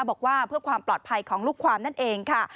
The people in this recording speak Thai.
บอกว่าเพื่อความปลอดภัยของลูกความนั่นเองค่ะ